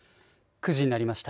９時になりました。